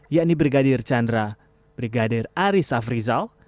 yakni brigadir chandra brigadir aris afrizal